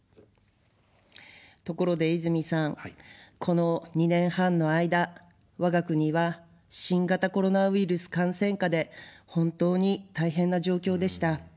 ところで泉さん、この２年半の間、我が国は新型コロナウイルス感染禍で本当に大変な状況でした。